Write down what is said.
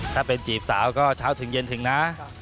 ถ้าเป็นจีบสาวก็เช้าถึงเย็นถึงนะ